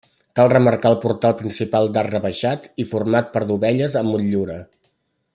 Cal remarcar el portal principal d'arc rebaixat i format per dovelles amb motllura.